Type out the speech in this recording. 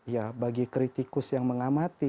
ya bagi kritikus yang mengamati